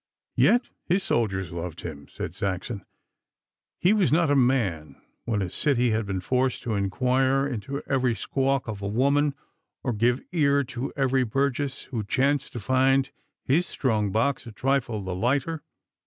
'Yet his soldiers loved him,' said Saxon. 'He was not a man, when a city had been forced, to inquire into every squawk of a woman, or give ear to every burgess who chanced to find his strong box a trifle the lighter.